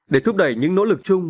để thúc đẩy những nỗ lực chung